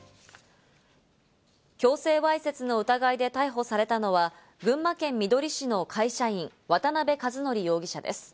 強制わいせつの疑いで逮捕されたのは、群馬県みどり市の会社員・渡辺和典容疑者です。